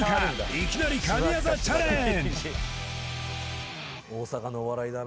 いきなり神業チャレンジ